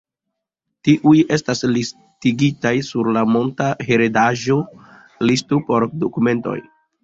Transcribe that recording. Tiuj estas listigitaj sur la monda heredaĵo-listo por dokumentoj.